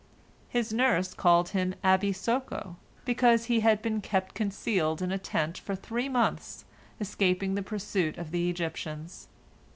His nurse called him Abi Soco, because he had been kept concealed in a "tent" for three months, escaping the pursuit of the Egyptians.